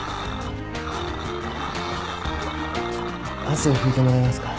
汗をふいてもらえますか？